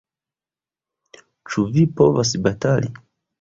Ĉu vi povas batali?